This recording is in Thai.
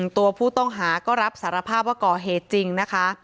ตัวผู้ต้องหาก็รับสารภาพว่าก่อเหตุจริงนะคะ